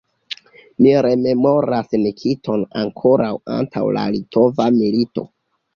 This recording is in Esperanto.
Mi rememoras Nikiton ankoraŭ antaŭ la litova milito.